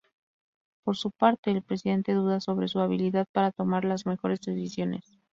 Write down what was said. Por su parte, el Presidente duda sobre su habilidad para tomar las mejores decisiones.